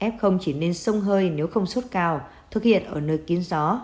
f chỉ nên sông hơi nếu không suốt cao thực hiện ở nơi kiến gió